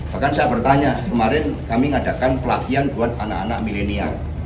bahkan saya bertanya kemarin kami mengadakan pelatihan buat anak anak milenial